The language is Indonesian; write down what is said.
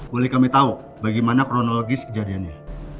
boleh kami tahu bagaimana kronologis kejadiannya